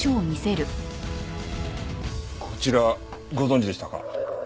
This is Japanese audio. こちらご存じでしたか？